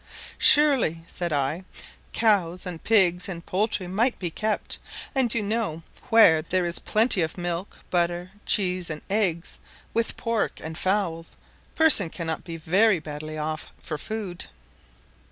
"Surely," said I, "cows and pigs and poultry might be kept; and you know where there is plenty of milk, butter, cheese, and eggs, with pork and fowls, persons cannot be very badly off for food."